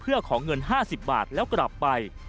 เพื่อขอเงิน๕๐บาทแล้วกลับไป